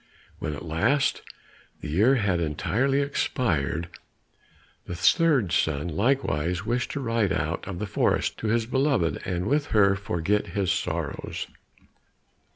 When at last the year had entirely expired, the third son likewise wished to ride out of the forest to his beloved, and with her forget his sorrows.